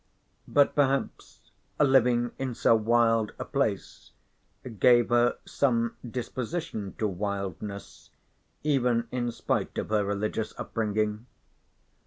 But perhaps living in so wild a place gave her some disposition to wildness, even in spite of her religious upbringing.